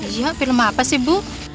jiwa film apa sih bu